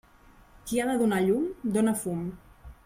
Qui ha de donar llum, dóna fum.